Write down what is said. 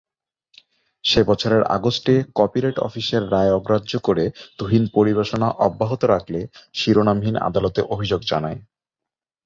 সে বছরের আগস্টে কপিরাইট অফিসের রায় অগ্রাহ্য করে তুহিন পরিবেশনা অব্যহত রাখলে শিরোনামহীন আদালতে অভিযোগ জানায়।